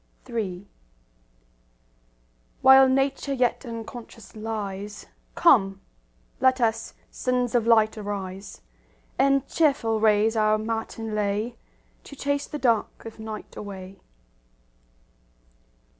III While Nature yet unconscious lies, Come, let us, sons of light, arise, And cheerful raise our matin lay To chase the dark of night away.